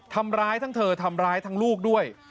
ทำร้ายทั้งเธอทำร้ายทั้งลูกด้วย